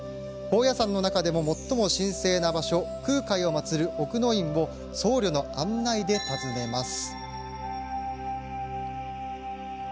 高野山の中でも最も神聖な場所空海を祭る奥之院を僧侶の案内で訪ねます。